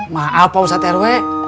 maaf pausat rw